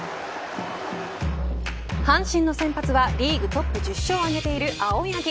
阪神の先発はリーグトップ１０勝を挙げている青柳。